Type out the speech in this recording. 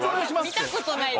見たことないです。